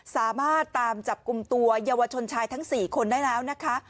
สามารถตามจับกลุ่มตัวเยาวชนชายทั้ง๔คนได้แล้วนะคะ